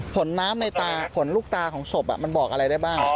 ผลน้ำในตาผลลูกตาของศพมันบอกอะไรได้บ้าง